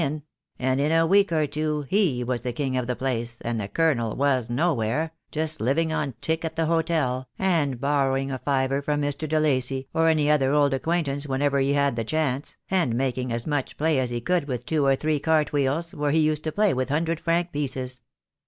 169 in; and in a week or two he was the king of the place, and the Colonel was nowhere, just living on tick at the hotel, and borrowing a fiver from Mr. de Lacy or any other old acquaintance whenever he had the chance, and making as much play as he could with two or three cart wheels, where he used to play with hundred franc pieces.